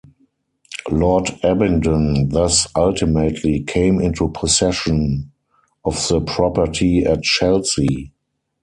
Lord Abingdon thus ultimately came into possession of the property at Chelsea.